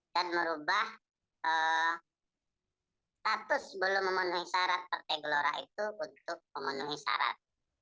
dan merubah status belum memenuhi syarat partai gelora itu untuk memenuhi syarat